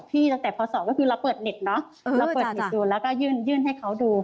ตั้งแต่พศก็คือเราเปิดเน็ตเนอะเราเปิดเน็ตดูแล้วก็ยื่นให้เขาดู